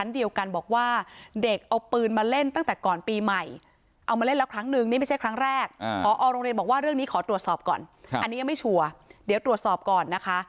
เดี๋ยวตรวจสอบก่อนนะคะ